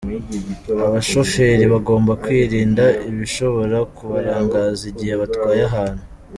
Abashoferi bagomba kwirinda ibishobora kubarangaza igihe batwaye abantu.